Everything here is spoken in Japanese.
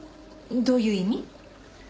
どういう意味？